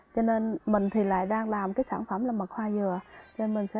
cho nên mình thì lại đang làm cái sản phẩm là mặt hoa dừa